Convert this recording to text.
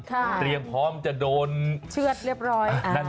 เตรียมพร้อมจะโดนเชื่อดเรียบร้อย